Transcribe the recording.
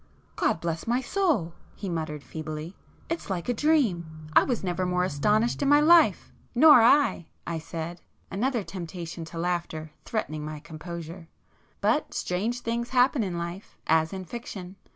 "God bless my soul!" he muttered feebly—"It's like a dream!—I was never more astonished in my life!" [p 52]"Nor I!" I said, another temptation to laughter threatening my composure,—"But strange things happen in life, as in fiction.